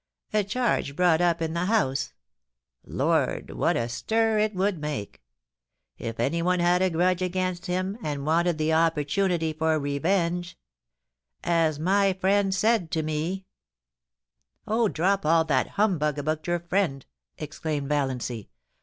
A charge brought up in the House — Lord, what a stir it would make ! If anyone had a grudge against him, and wanted the opportunity for re venge As my friend said to me '* Oh, drop all that humbug about your friend,' exclaimed Valiancy.